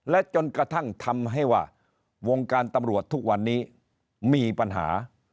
และจนกระทั่งทำให้ว่าวงการตำรวจทุกวันนี้มีปัญหา